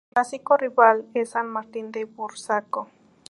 Su clásico rival es San Martín de Burzaco.